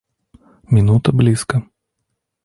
Минута близко.